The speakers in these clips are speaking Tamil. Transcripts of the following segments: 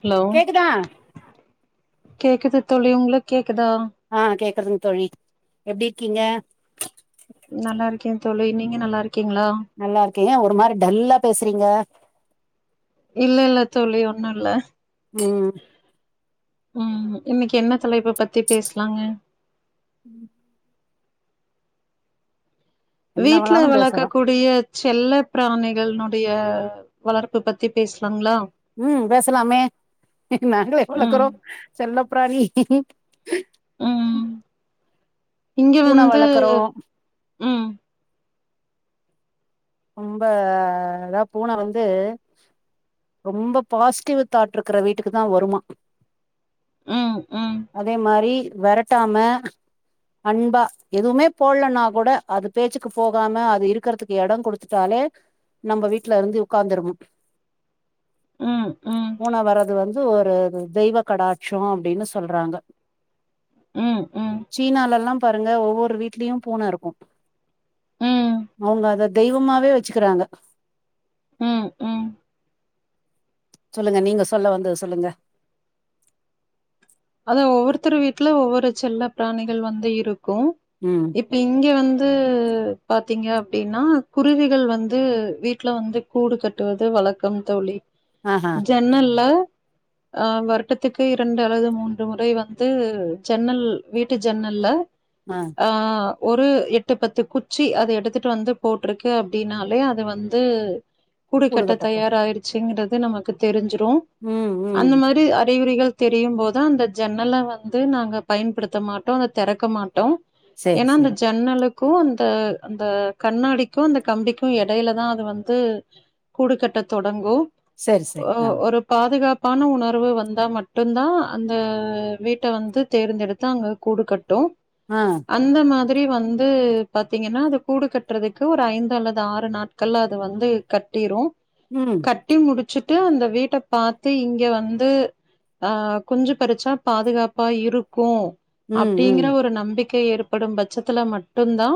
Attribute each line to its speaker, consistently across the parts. Speaker 1: ஹலோ
Speaker 2: கேக்குதா
Speaker 1: கேக்குது தோழி உங்களுக்கு கேக்குதா
Speaker 2: ஆ கேக்குறதுங்க தோழி எப்டி இருக்கீங்க
Speaker 1: நல்லா இருக்கே தோழி நீங்க நல்லா இருக்கீங்களா
Speaker 2: நல்லா இருக்கே ஏ ஒரு மாரி டல்லா பேசறீங்க
Speaker 1: இல்ல இல்ல தோழி ஒண்ணு இல்ல
Speaker 2: ம்
Speaker 1: ம் இன்னைக்கு என்ன தலைப்ப பத்தி பேசலாங்க
Speaker 2: ம் என்ன
Speaker 1: வீட்ல
Speaker 2: வேணாலு பேசலா
Speaker 1: வளக்கக்கூடிய செல்ல பிராணிகள்னுடைய வளர்ப்பு பத்தி பேசலாங்களா
Speaker 2: ம் பேசலாமே நாங்களே
Speaker 1: ம்
Speaker 2: வளக்றோ செல்ல பிராணி
Speaker 1: ம் இங்க
Speaker 2: பூன
Speaker 1: வந்து
Speaker 2: வளக்குறோ
Speaker 1: ம்
Speaker 2: ரொம்ப இதா பூன வந்து ரொம்ப பாசிட்டிவ் தாட் இருக்குற வீட்டுக்கு தா வருமா
Speaker 1: ம் ம்
Speaker 2: அதே மாரி வெரட்டாம அன்பா எதுவுமே போட்லனா கூட அது பேச்சுக்கு போகாம அது இருக்கறதுக்கு எட குடுத் த்துட்டாலே நம்ம வீட்ல இருந்து உக்காந்துருமா
Speaker 1: ம் ம்
Speaker 2: பூன வரது வந்து ஒரு தெய்வ கடாட்சோ அப்டின்னு சொல்றாங்க
Speaker 1: ம் ம்
Speaker 2: சீனால எல்லா பாருங்க ஒவ்வொரு வீட்லயு பூன இருக்கு
Speaker 1: ம்
Speaker 2: அவுங்க அத தெய்வமாவே வச்சுக்கிறாங்க
Speaker 1: ம் ம்
Speaker 2: சொல்லுங்க நீங்க சொல்ல வந்தது சொல்லுங்க
Speaker 1: அத ஒவ்வொருத்தரு வீட்டுல ஒவ்வொரு செல்ல பிராணிகள் வந்து இருக்கு
Speaker 2: ம்
Speaker 1: இப்ப இங்க வந்து பாத்தீங்க அப்டின்னா குருவிகள் வந்து வீட்ல வந்து கூடு கட்டுவது வழக்கம் தோழி
Speaker 2: ஆஹா
Speaker 1: ஜன்னல்ல ஆ வருடத்துக்கு இரண்டு அல்லது மூன்று ஒரு முறை வந்து ஜன்னல் வீட்டு ஜன்னல்ல
Speaker 2: ஆஹ்
Speaker 1: ஆஹ் ஒரு எட்டு பத்து குச்சி அத எடுத்துட்டு வந்து போட்ருக்கு அப்டின்னாலே அது வந் து கூடுக்கட்ட
Speaker 2: கூடுகட்டப்ப
Speaker 1: தயாராயிருச்சுங்கிறது நமக்கு தெரிஞ்சிரு
Speaker 2: ம் ம்
Speaker 1: அந்த மாதிரி அறிகுறிகள் தெரியும் போது அந்த ஜன்னல்ல வந்து நாங்க பயன்படுத்த மாட்டோ அத திறக்க மாட்டோ
Speaker 2: சேரி
Speaker 1: ஏனா அந்த
Speaker 2: சேரி
Speaker 1: ஜன் ஜன்னலுக்கு அந்த அந்த கண்ணாடிக்கு அந்த கம்பிக்கு இடையில தா அது வந்து கூடுக்கட்ட தொடங்கு
Speaker 2: சேரி சேரி ஆ
Speaker 1: ஒரு பாதுகாப்பான உணர்வு வந்தா மட்டுதா அந் அ வீட்ட வந்து தேர்ந்தெடுத்து அங்க கூடு கட்டு
Speaker 2: ஆஹ்
Speaker 1: அந்த மாதிரி வந்து பாத்தீங்கன்னா அது கூடு கட்டுறதுக்கு ஒரு ஐந்து அல்லது ஆறு நாட் கள்ள அது வந்து கட்டிரு
Speaker 2: ம்
Speaker 1: கட்டி முடிச்சுட்டு அந்த வீட்ட பாத்து இங்க வந்து அ குஞ்சு பறிச்சா பாதுகாப்பா இருக்கு
Speaker 2: ம் ம்
Speaker 1: அப்டிங்கிற ஒரு நம்பிக்கைற்ப ப்படும் பட்சத்துல மட்டுதா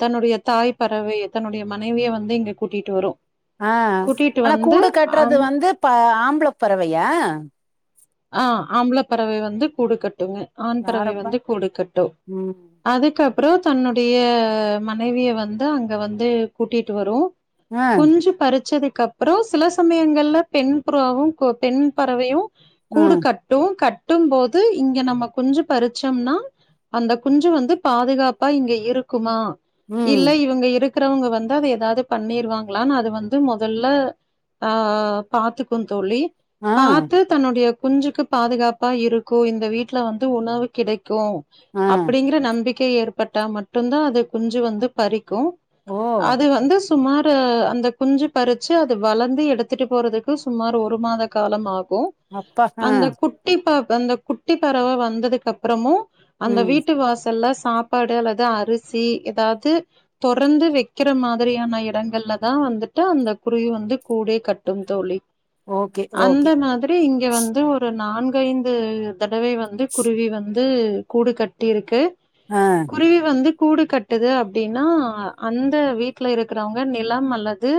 Speaker 1: தன்னுடைய தாய் பறவைய தன்னுடைய மனைவிய வந்து இங்க கூட்டிட்டு வரு
Speaker 2: ஆ
Speaker 1: கூட்டிட்டு
Speaker 2: ஆனா
Speaker 1: வந்து
Speaker 2: கூடு கட்டுறது
Speaker 1: அந்
Speaker 2: வந்து ப ஆம்பள பறவயா
Speaker 1: ஆ ஆம்பள பறவை வந்து கூடுக்கட்டுங்க ஆண் பறவை
Speaker 2: யாரப்பா
Speaker 1: வந்து கூடுக்கட்டு
Speaker 2: ம்
Speaker 1: அதுக்கப்புறோ தன்னுடைய மனைவிய வந்து அங்க வந்து கூட்டிட்டு வரு
Speaker 2: ஆ
Speaker 1: குஞ்சு பறிச்சதுக்கப் அப்புறோ சில சமயங்கள்ல பெண் புறாவு பெண் பறவையு
Speaker 2: ஆ
Speaker 1: கூடு கட் கட்டு கட்டும் போது இங்க நம்ம குஞ்சு பறிச்சோம்னா அந்த குஞ்சு வந்து பாதுகாப்பா இங்க இருக்குமா
Speaker 2: ம்
Speaker 1: இல்ல இவுங்க இருக் இருக்கிறவங்க வந்து அத எதாவ்து பண்ணிருவாங்களான்னு அது வந்து மொதல்ல ஆ பாத்துக்கும் தோழி
Speaker 2: ஆ
Speaker 1: பாத்து தன்னுடைய குஞ்சுக்கு பாதுகாப்பா இருக்கு இந்த வீட்டுல வந்து உணவு கிடைக் க்கு
Speaker 2: ஆ
Speaker 1: அப்டிங்கிற நம்பிக்கை ஏற்பட்டா மட்டுதா அதை குஞ்சு வந்து பறிக்கு
Speaker 2: ஓ
Speaker 1: அது வந்து சுமார் அந்த குஞ்சு பறிச்சு அது வளர்ந்து எடுத்துட்டு போறதுக்கு சுமார் ஒரு மாத காலமாகு
Speaker 2: அப்பா ஆ
Speaker 1: அந்த குட்டி ப அந்த குட்டி பறவ வந்ததுக்கு அப்புறமு அந்த
Speaker 2: ம்
Speaker 1: வீட்டு வாசல்ல சாப்பாடு அல்லது அரிசி எதாவ்து தொடர்ந்து வைக்கிற மாதிரியான இடங்கள்ல தா வந்துட்டு அந்த குருவி வந்து கூடே கட்டும் தோழி
Speaker 2: ஓகே
Speaker 1: அந்த
Speaker 2: ஓகே
Speaker 1: மாதிரி இங்க வந்து ஒரு நான்கைந்து தடவை வந்து குருவி வந்து கூடு கட்டிருக்கு
Speaker 2: அ
Speaker 1: குருவி வந்து கூடு கட்டுது அப்டின்னா அந்த வீட்ல இருக்கிறவங்க நிலம் அல்லது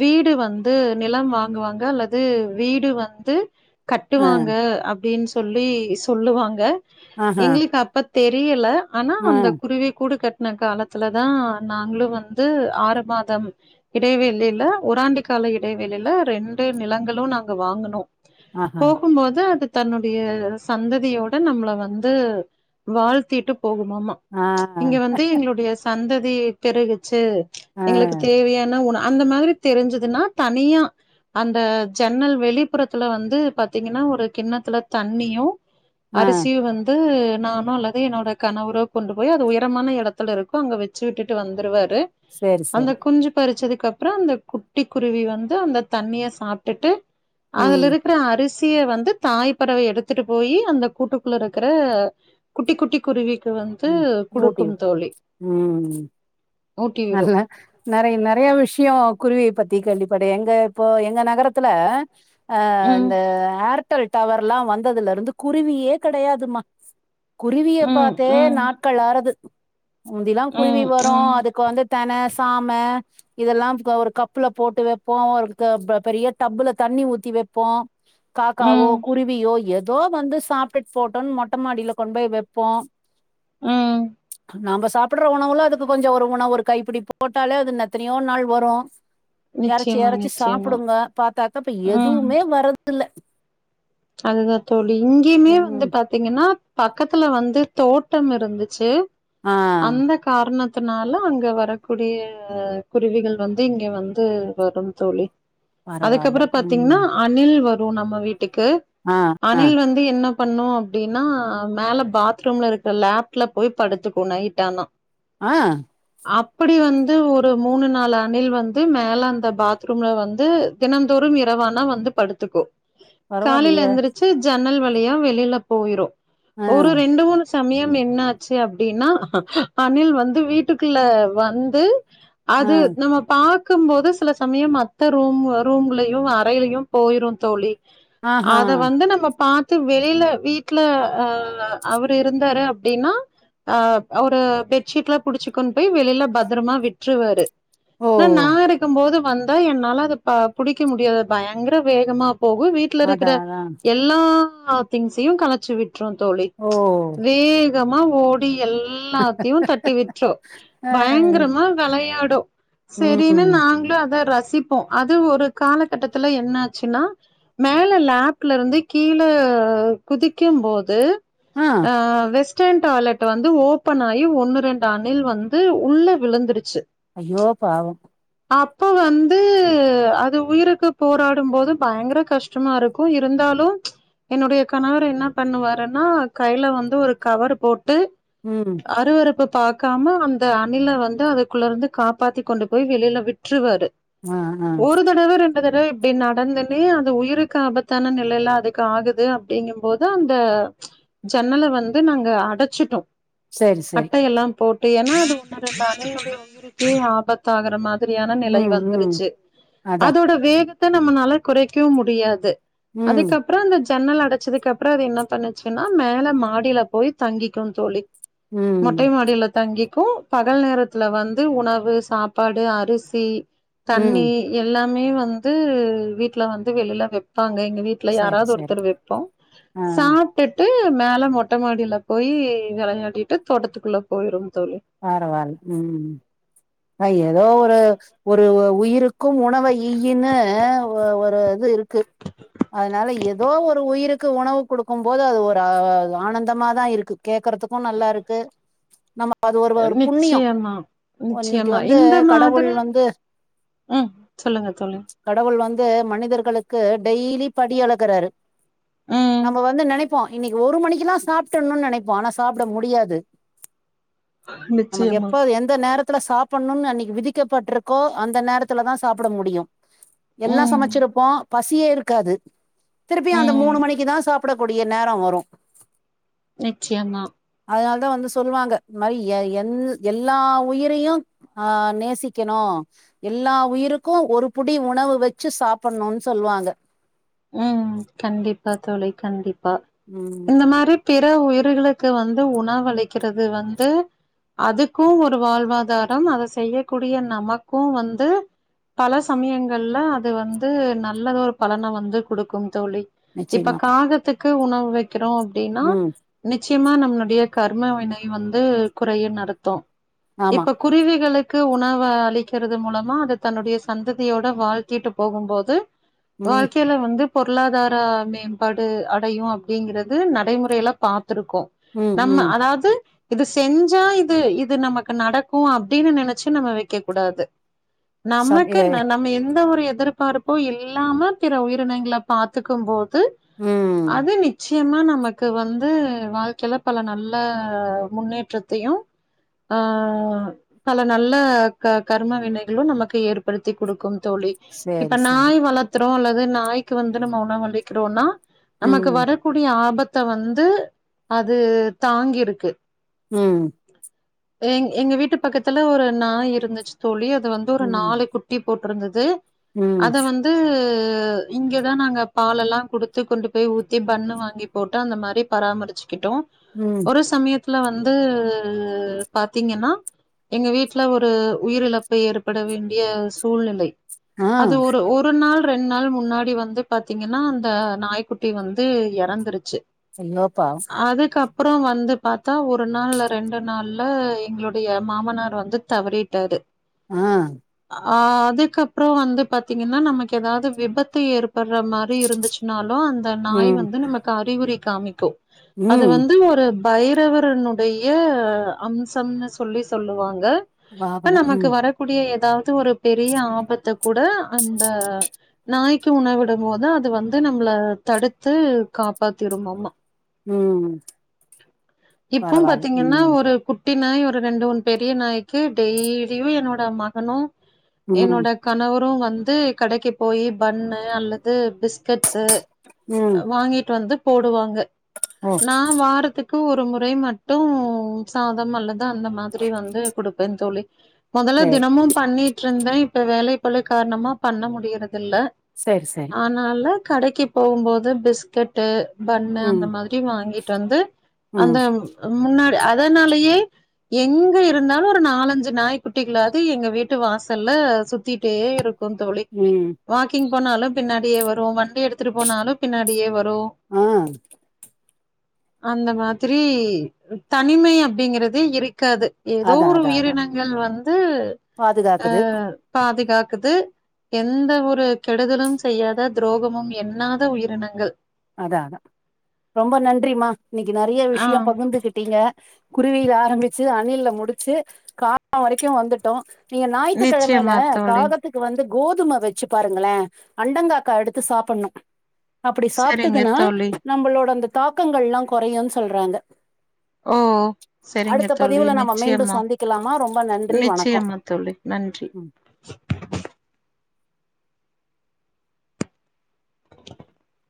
Speaker 1: வீடு வந்து நிலம் வாங்குவாங்க அல்லது வீடு வந்து
Speaker 2: ஆ
Speaker 1: கட்டுவாங்க அப்டின்னு சொல்லி சொல்லுவாங்க
Speaker 2: ஆஹா
Speaker 1: எங்களுக்கு அப்பத் தெரியல ஆனா
Speaker 2: ஆ
Speaker 1: அந்த குருவி கூட கட் இந்த காலத்துல தா நாங்களு வந்து ஆறு மாதம் இடைவெளில ஒராண்ட கால இடைவெளில ரெண்டு நிலங்களும் நாங்க வாங்கினோ
Speaker 2: ஆஹா
Speaker 1: போகும்போது அது தன்னுடைய சந்ததியோட நம்மள வந்து வாழ்த்திட்டு போகுமாமா
Speaker 2: ஆ
Speaker 1: இங்க வந்து எங்களுடைய சந்ததி பெருகிச்சி
Speaker 2: ஆ
Speaker 1: எங்ளுக்கு தேவையான உண அந்த மாதிரிப் தெரிஞ்சதுனா தனியா அந்த ஜன்னல் வெளிப்புறத்துல வந்து பத் பத்தீங்னா ஒரு கிண்ணத்துல தண்ணியு
Speaker 2: ஆ
Speaker 1: அரிசிய வந் இது நானோ அல்லது என்னோட கணவரோ கொண்டு போய் அது உயரமான எடத்துல இருக்கு அங்க வச்சி விட்டுட்டு வந்துருவாரு
Speaker 2: சேரி
Speaker 1: அந்த
Speaker 2: சேரி
Speaker 1: குஞ்சு பறிச்சதுக்கு அப்புற அந்த குட்டி குருவி வந்து அந்த தண்ணிய சாப்டுட்டு அதுல
Speaker 2: ம்
Speaker 1: இருக்கிற அரி சிய வந்து தாய் பறவை எடுத்துட்டு போய் அந்த கூட்டுக்குள்ள இருக்கிற குட்டி குட்டி குருவிக்கு வந்து
Speaker 2: ம் ஊட்டி
Speaker 1: குடுக்கும்
Speaker 2: விடு
Speaker 1: தோழி
Speaker 2: ம்
Speaker 1: ஊட்டிவிடு
Speaker 2: நறைய நறைய விஷ்யோ குருவி பத்தி கேள்விபட எங்க இப்போ எங்க நகரத்துல அ
Speaker 1: ம்
Speaker 2: இந்த ஏர்டெல் டவர் எல்லா வந்ததுல இருந்து குருவியே கெடையாதுமா குருவிய
Speaker 1: ம்
Speaker 2: பாத்தே
Speaker 1: ம்
Speaker 2: நாட்கள் ஆறது முந்திலா குருவி
Speaker 1: ம்
Speaker 2: வரு
Speaker 1: ம்
Speaker 2: அதுக்கு வந்து தன சாம இதெல்லாம் கோ ஒரு கப்புல போட்டு வப்போ ஒரு க ப பெரிய ஒரு டப்புல தண்ணி ஊத்தி வேப்போ காக்காவோ
Speaker 1: ம்
Speaker 2: குருவியோ ஏதோ வந்து சாப்டுட்டு போட்டோன் மொட்ட மாடியல கொண்டு போய் வைப்போ
Speaker 1: உம்
Speaker 2: நாம சாப்புடுற உணவுல அதுக்கு கொஞ்சோ ஒரு உணவு ஒரு கைப்பிடி போட்டாலே அது எத்தனையோ நாள் வரு யரச்சி
Speaker 1: நிச்சயமா
Speaker 2: யரச்சி
Speaker 1: நிச்சயமா
Speaker 2: சாப்டுங்க பாத்தாக்கா இப்ப
Speaker 1: ம்
Speaker 2: எதுவுமே வரதுதில்ல
Speaker 1: அதுதா தோழி இங்கேயுமே வந்து
Speaker 2: ம்
Speaker 1: பாத் தீங்னா பக்கத்துல வந்து தோட்டம் இருந்துச்சி
Speaker 2: ஆ
Speaker 1: அந்தக் காரணத்னால அங்க வரக்கூடிய குருவிகள் வந்து இங்க வந்து வரும் தோழி
Speaker 2: பரவாயில்ல
Speaker 1: அதுக்கப்புறம் பாத்தீங்னா
Speaker 2: ம்
Speaker 1: அணில் வரும் நம்ம வீட்டுக்கு
Speaker 2: ஆ ஆ
Speaker 1: அணில் வந் என்ன பண்ணு அப்டினா மேல பாத்ரூம்ல இருக்க லேப்ல போய் படுத்துக்கு நைட் தா
Speaker 2: ஆ
Speaker 1: அப்டி வந்து ஒரு மூணு நாலு அணில் வந்து மேல அந்த பாத்ரூம்ல வந்து தினந்தோறும் இரவானா வந்து படுத்துக்கு
Speaker 2: பரவாயில்லயே
Speaker 1: சி ஜன்னல் வழியா வெளில போயிரு
Speaker 2: ஆ
Speaker 1: ஒரு ரெண்டு மூனு சமயம் என்னாச்சி அப்டின்னா அணில் வந்து வீட்டுக்குள்ள வந்து
Speaker 2: ஆ
Speaker 1: அது நம்ம பா இருக்கும் போது சில சமயம் மத்த ரூம் ரூம்லயு அறையிலயு போயிரு தோழி
Speaker 2: ஆஹா
Speaker 1: அத வந்து நம்ம பாத் வெளில வீட்ல அ அவரு இருந்தாரு அப்டின்னா அ ஒரு பெட்ஷீட்ல புடிச்சி கொண்டு போய் வெளில பத்திரமா விட்டுருவாரு
Speaker 2: ஓ
Speaker 1: நாருக்கும் போது வந் என்னால அது ப புடிக்க முடியாது பயங்கர வேகமா போகு வீட்லருக்குற
Speaker 2: அதான் அதான்
Speaker 1: எல்லா திங்ஸையு கலச்சி விட்ரு தோழி
Speaker 2: ஓ
Speaker 1: வே மா ஓடி எல்லாத்தையு தட்டி விட்ரு
Speaker 2: ஆ,
Speaker 1: பயங்கரமா வெளயாடு செரினு
Speaker 2: ம்
Speaker 1: நாங்களு அத ரசி போ அது ஒரு காலகட்டத்துல என்ன ஆச்சுன்னா மேல லேப்ல இருந்து கீழ குதிக்கும் போது
Speaker 2: ஆ
Speaker 1: அ வெஸ் டன் டாய்லெட் வந்து ஓபன் ஆகி ஒன்னு ரெண்டு அணில் வந்து உள்ள விழுந்துருச்சு
Speaker 2: ஐயோ பாவம்
Speaker 1: அப்ப வந்து அது உயிருக்கு போராடு போது பயங்கர கஷ் டமாருக்கு இருந்தாலு என்னுடைய கணவர் என்ன பண்ணுவாருன்னா கைல வந்து ஒரு கவர் போட்டு
Speaker 2: ம்
Speaker 1: அருவறுப்பு பாக்காம அந்த அணில வந்து அத குள்ளர்ந்து காப்பாத்தி கொண்டு போய் வெளில விட்டுறுவாரு
Speaker 2: ஆ ஆ
Speaker 1: ஒரு தடவ ரெண்டு தடவ இப்டி நடந்துன்னே அந்த உயிருக் காபத்தான நிலைல்ல அதுக்கு ஆகுது அப்டிங்கும் போது அந்த ஜன்னல வந்து நாங்க அடச்சுடோம்
Speaker 2: சரி சரி
Speaker 1: அட்ட எல்லா போட்டு ஏன்னா அது உண்ண இது என்டைய உயிருக்கு ஆபத்தாகுற மாரி ரியான நிலை
Speaker 2: ம் ம்
Speaker 1: வந்துருச்சு
Speaker 2: அதான்
Speaker 1: அதோட வேகத்த நம்னால குறைக்கவு முடியாது
Speaker 2: ம்
Speaker 1: அதுக்கப்றோ அந்த சன்னல அடைச்சதுக்கு அப்றோ அது என்ன பண்ணுச்சுன்னா மேல மாடியில போய் தங்கிக்கு தோழி
Speaker 2: ம்
Speaker 1: மொட்டை மாடில தங்கிக்கு பகல் நேரத்துல வந்து உணவு சாப்பாடு அரிசி தண்ணி
Speaker 2: ம்
Speaker 1: இது எல்லாமே வந்து வீட்டுல வந்து வெளில வெப்பாங்க எங்க வீட் ல
Speaker 2: சரி
Speaker 1: யாராவது
Speaker 2: சரி
Speaker 1: ஒருத்தர் வைப்போ
Speaker 2: ஆ ஆ
Speaker 1: சாப் விட்டுட்டு மேல மொட்ட மாடில போய் வெளையாடிட்டு தோட்டத்துக்குள்ள போய்டு தோழி
Speaker 2: பரவால்ல ம் ஆ ஏதோ ஒரு ஒரு உயிருக்கு உணவை ஈயின்னு ஒரு இது இருக்கு அதனால ஏதோ ஒரு உயிருக்கு கொடுக்கு போது அது ஆனந்தமா தா இருக்கு கேக்கறதுக்கு நல்லாருக்கு
Speaker 1: நிச்சயமா
Speaker 2: இன்னைக்கு
Speaker 1: நிச்சயமா
Speaker 2: வந்து
Speaker 1: இந்த
Speaker 2: கடவுள்
Speaker 1: மாதிரி
Speaker 2: வந்து
Speaker 1: ம் சொல்லுங்க தோழி
Speaker 2: கடவுள் வந்து மனிதர்களுக்கு டெய்லி படி அளக்குறாரு
Speaker 1: ம்.
Speaker 2: நம்ம வந்து நினைப் போ இன்னைக்கு ஒரு மணிக்கக்குல்லா சாப்ட்றணுனு நெனைப்போ ஆனா சாப்ட முடியாது நமக்கு
Speaker 1: நிச்சயமா
Speaker 2: எப்போ எந்த நேரத்துல சாப்டனுனு அன்னைக்கு விதிக்கப்பட்ருக்கோ அந்த நேரத்துல தா சாப்ட முடியு எல்லா
Speaker 1: ம்
Speaker 2: சமைச்சிருப்போ பசியேருக்காது திருப்பியு அந்த
Speaker 1: ம்
Speaker 2: மூணு மணிக்குதா சாப்டக்கூடிய நேரோ வரு
Speaker 1: நிச்சயமா
Speaker 2: அதனால தா வந்து சொல்லுவாங்க மாரி எ என் எல்லா உயிரையு ஆ நேசிக்கணு எல்லா உயிருக்கு ஒரு புடி உணவு வச்சு சாப்பிட்ணுன்னு சொல்லுவாங்க
Speaker 1: ம் கண்டிப்பா தோழி கண்டிப்பா
Speaker 2: ம்
Speaker 1: இந்த மாரி பிற உயிர்களுக்கு வந்து உணவு அளிக்கிறது வந்து அதுக்கு ஒரு வாழ்வாதாரோ அத செய்யக்கூடிய நமக்கு வந்து பல சமயங்கள்ல அது வந்து நல்லது ஒரு பலன வந்து குடுக்குந் தோழி இப்ப
Speaker 2: நிச்சயமா
Speaker 1: காகத்துக்கு உணவு வைக்கிறோ அப்டின்னா
Speaker 2: ம்
Speaker 1: நிச்சயமா நம்மளுடைய கர்ம வினை வந்து குறையு நடத்து
Speaker 2: ஆமா
Speaker 1: இப்ப குருவிகளுக்கு உணவ அளிக்கறது மூலமா அது தன்னுடைய சந்ததியோட வாழ்த்திட்டு போகும்போது
Speaker 2: ம்
Speaker 1: வாழ்க்கைல வந்து பொருளாதார மேம்பாடு அடையு அப்டிங்கறது நடைமுறையில பாத்துருக்கோ
Speaker 2: ம்
Speaker 1: நம்ம
Speaker 2: ம்
Speaker 1: அதாவது இது செஞ்சா இது இது நமக்கு நடக்கு அப்டின்னு நெனச்சு நம்ம வெக்க கூடாது
Speaker 2: ச-
Speaker 1: நமக்கு
Speaker 2: ஏ,
Speaker 1: ந நம்ம எந்த ஒரு எதிர்பார்ப்பு இல்லாம பிற உயிரினங்கள பாத்துக்கும் போது து
Speaker 2: ம்
Speaker 1: அது நிச்சய நிச்சயமா நமக்கு வந்து வாழ்க்கல பல நல்ல முன்னேற்றத்தையு ஆ பல நல்ல க கர்ம வினைகளு நமக்கு ஏற்படுத்தி குடுக்கு தோழி இப்ப
Speaker 2: சரி சரி
Speaker 1: நாய் வளத்தறோ அல்லது நாய்க்கு வந்து நம்ம உணவு அளிக்கறோனா நமக்கு
Speaker 2: ம்
Speaker 1: வர கூடிய ஆபத்த வந்து அது தாங்கிருக்கு
Speaker 2: ம்
Speaker 1: எ எங்க வீட்டு பக்கத்துல ஒரு நாய் இருந்துச்சு தோழி அது வந்து ஒரு
Speaker 2: ம்
Speaker 1: நாளு குட் குட்டி போட்ருந்துது
Speaker 2: ம்
Speaker 1: அத வந்து இங்கதா நாங்க பாலெல்லா குடுத்து கொண்டு போய் ஊத்தி பண்ணு வாங்கி போட்டு அந்த மாரி பராமரிச்சுக்கிட்டோ
Speaker 2: ம்
Speaker 1: ஒரு சமயத்துல வந்து பாத்தீங்கன்னா எங்க வீட்ல ஒரு உயிரிழப்பு ஏற்பட வேண்டிய சூழ்நிலை
Speaker 2: ஆ
Speaker 1: அது ஒரு ஒரு நாள் ரெண்டு நாள் முன்னா டி வந்து பாத்தீங்கன்னா அந்த நாய்க்குட்டி வந்து எறந்துருச்சு
Speaker 2: ஐயோ பாவம்
Speaker 1: அதுக்கப் அப்றோ வந்து பாத்தா ஒரு நாள்ல ரெண்டு நாள்ல எங்களுடைய மாமனார் வந்து தவறிட்டாரு
Speaker 2: ஆ
Speaker 1: ஆ அதுக்கப்றோ வந்து பாத்தீங்கன்னா நமக்கு ஏதாவ்து விபத் த்து ஏற்பட்ற மாரி இருந்துச்சுனாலு அந்த நாய்
Speaker 2: ம்
Speaker 1: வந்து நமக்கு அறிகுறி காமிக்கு அது
Speaker 2: ம்
Speaker 1: வந்து ஒரு பைரவருனுடைய அம்சம்னு சொல்லி சொல்லுவாங்க இப்ப
Speaker 2: வாகனம்
Speaker 1: நமக்கு
Speaker 2: ம்
Speaker 1: வர கூடிய ஏதாவது ஒரு பெரிய ஆபத்த கூட அந்த நாய்க் து உணவிடும் போது அது வந்து நம்மள தடுத்து காப்பாத்திருமாமா
Speaker 2: ம்
Speaker 1: இப்பவும்
Speaker 2: பரவாயில்ல
Speaker 1: பாத்தீங்கன்னா
Speaker 2: ம்
Speaker 1: ஒரு குட் குட்டி நாய் ஒரு ரெண்டு ஒன் பெரிய நாய்க்கு டெய்லியு என்னோட மகனு
Speaker 2: ம்
Speaker 1: என்னோட கணவரு வந்து கடைக்கு போய் பண்ணு அல்லது பிஸ்கட்ஸ்ஸு
Speaker 2: ம்
Speaker 1: வாங்கிட்டு வந்து போடுவாங்க
Speaker 2: ஓ
Speaker 1: நா வாரத்துக் க்கு ஒரு முறை மட்டு சாதம் அல்லது அந்த மாதிரி வந்து குடுப்பே தோழி மொதல்ல
Speaker 2: சேரி
Speaker 1: தினமு பண்ணிட்ருந்த இப்ப வேலை பளு காரணமா பண்ண முடியறதில்ல
Speaker 2: சேரி சேரி
Speaker 1: அதனால கடைக்கு போகும்போது பிஸ்கெட் ட்டு பண்ணு அந்த
Speaker 2: ம்
Speaker 1: மாதிரி வாங்கிட்டு வந்து அந்த
Speaker 2: ம்
Speaker 1: முன்னாடி அதனாலயே எங்க இருந்தாலு ஒரு நாலஞ்சு நாய் குட்டிகளாது எங்க வீட்டு வாசல்ல சுத்திட்டே இரு க்கு தோழி
Speaker 2: ம்
Speaker 1: கிங் போனாலு பின்னாடியே வரு வண்டி எடுத்துட்டு போனாலு பின்னாடியே வரு
Speaker 2: ஆ
Speaker 1: அந்த மாதிரி தனிமை அப்டிங்கிறதே இருக்காது ஏதோ
Speaker 2: அதா
Speaker 1: ஒரு
Speaker 2: அதா அதா
Speaker 1: உயிரினங்கள் வந்து ஆ
Speaker 2: பாதுகாக்குது
Speaker 1: பாதுகாக்குது எந்த ஒரு கெடுதலும் செய்யாத துரோகமும் எண்ணாத உயிரினங்கள்
Speaker 2: அதா அதா ரொம்ப நன்றிமா இன்னைக்கு நெறைய
Speaker 1: ஆ
Speaker 2: விஷ்ய பகிர்ந்துகிட்டீங்க குருவில ஆரம்பிச்சு அணில்ல முடிச்சு காக வரைக்கு வந்துட்டோ நீங்க ஞாயித்துக்கெழமைல
Speaker 1: நிச்சயமா தோழி.
Speaker 2: காகத் த்துக்கு வந்து கோதும வெச்சு பாருங்களே அண்டங்காக்கா எடுத்து சாப்பிட்ணு அப்டி சாப்
Speaker 1: சரிங்க தோழி.
Speaker 2: நம்பளோட அந்த தாக்கங்கள்லா கொறையுன் சொல்றாங்க
Speaker 1: ஓ செரிங்க
Speaker 2: அடுத்த
Speaker 1: தோழி
Speaker 2: பதிவுல நம்ம மீண்டும்
Speaker 1: நிச்சயம்மா
Speaker 2: சந்திக்கலாமா ரொம்ப நன்றி வணக்கம்
Speaker 1: நிச்சயமா தோழி நன்றி
Speaker 2: ம்
Speaker 1: [inaudible] [inaudible]